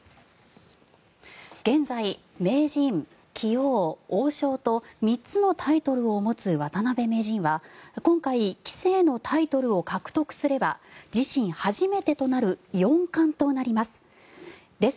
現在名人、棋王、王将と３つのタイトルを持つ渡辺名人は今回棋聖のタイトルを獲得すれば自身初めてとなる四冠となります。